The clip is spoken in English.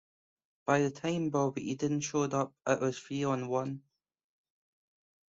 By the time Bobby Eaton showed up, it was three on one.